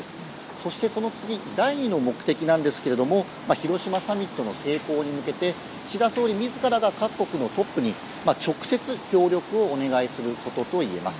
そして、その次第２の目的なんですけど広島サミットの成功に向けて岸田総理自らが各国のトップに、直接協力をお願いすることといえます。